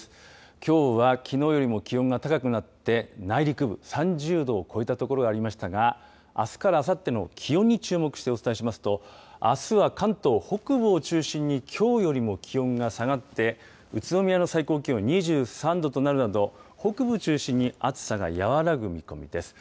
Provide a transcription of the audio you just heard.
きょうはきのうよりも気温が高くなって、内陸部３０度を超えた所がありましたが、あすからあさっての気温に注目してお伝えしますと、あすは関東北部を中心にきょうよりも気温が下がって、宇都宮の最高気温２３度となるなど、北部中心に暑さが和らぐ見込みです。